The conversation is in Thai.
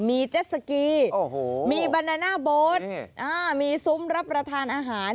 มีเจ็ดสกีมีบานาน่าโบ๊ทมีซุ้มรับประทานอาหาร